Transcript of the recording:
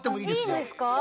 いいんですか。